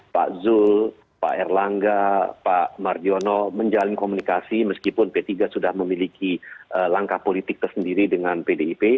pak zul pak erlangga pak mardiono menjalin komunikasi meskipun p tiga sudah memiliki langkah politik tersendiri dengan pdip